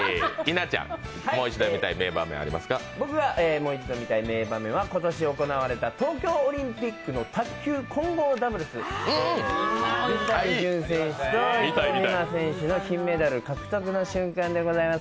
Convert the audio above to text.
もう一度見たい名場面は今年行われた東京オリンピックの卓球混合ダブルス、水谷隼選手と伊藤美誠選手の金メダル獲得の瞬間でございます。